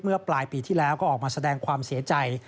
ปลายปีที่แล้วก็ออกมาแสดงความเสียใจ